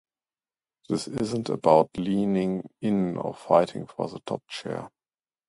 This isn’t about leaning in or fighting for the top chair.